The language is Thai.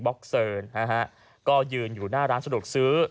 บ็อกเซิร์นก็ยืนอยู่หน้าร้านสรุปซื้อ